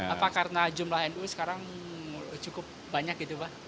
apa karena jumlah nu sekarang cukup banyak gitu pak